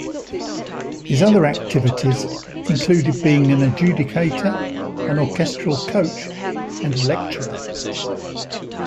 His other actiovities included being an adjudicator, an orchestral coach and a lecturer.